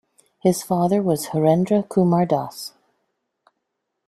His father was Harendra Kumar Das.